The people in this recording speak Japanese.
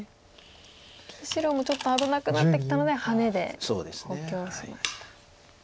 白もちょっと危なくなってきたのでハネで補強しました。